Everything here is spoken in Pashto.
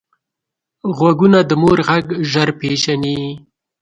غوږونه د مور غږ ژر پېژني